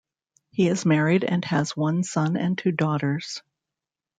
He is married and has one son and two daughters.